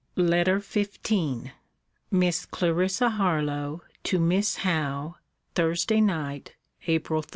LETTER XV MISS CLARISSA HARLOWE, TO MISS HOWE THURSDAY NIGHT, APRIL 13.